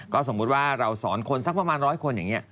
สมมุติว่าเราสอนคนสักประมาณร้อยคนอย่างนี้